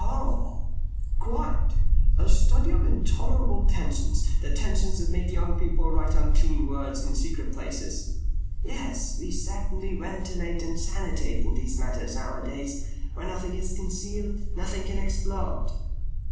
"Horrible!" "Quite. A study of intolerable tensions, the tensions that make young people write unclean words in secret places." "Yes, we certainly ventilate and sanitate in those matters nowadays. Where nothing is concealed, nothing can explode."